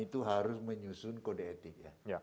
itu harus menyusun kode etik ya